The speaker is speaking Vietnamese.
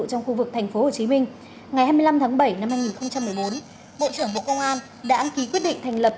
trong khu vực tp hcm ngày hai mươi năm tháng bảy năm hai nghìn một mươi bốn bộ trưởng bộ công an đã ký quyết định thành lập